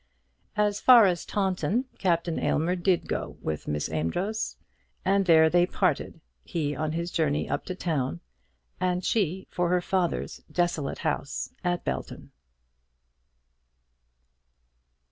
As far as Taunton Captain Aylmer did go with Miss Amedroz, and there they parted, he on his journey up to town, and she for her father's desolate house at Belton.